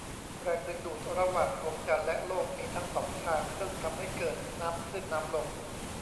แรงดึงดูดระหว่างดวงจันทร์และโลกมีทั้งสองทางซึ่งทำให้เกิดน้ำขึ้นน้ำลง